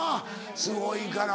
すごいから。